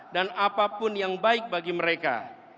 dan apapun yang baik bagi mereka